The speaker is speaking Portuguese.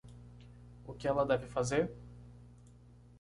O que ela deve fazer?